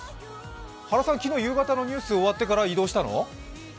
原さん、昨日夕方のニュース終わってから移動したの？